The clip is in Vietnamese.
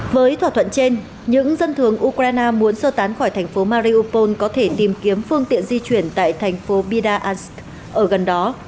với thỏa thuận trên những dân thường ukraine muốn sơ tán khỏi thành phố mariopol có thể tìm kiếm phương tiện di chuyển tại thành phố bida ans ở gần đó